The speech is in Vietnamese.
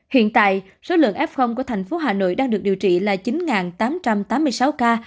hiện tại số lượng f của thành phố hà nội đang được điều trị là chín tám trăm tám mươi sáu ca